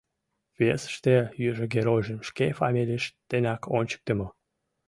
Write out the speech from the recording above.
Пьесыште южо геройжым шке фамилийышт денак ончыктымо.